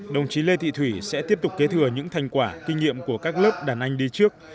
đồng chí lê thị thủy sẽ tiếp tục kế thừa những thành quả kinh nghiệm của các lớp đàn anh đi trước